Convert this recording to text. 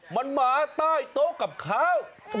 มันมาใต้โต๊ะกับเขา